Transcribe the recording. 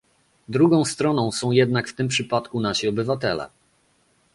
Drugą stroną są jednak w tym przypadku nasi obywatele